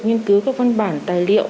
nghiên cứu các văn bản tài liệu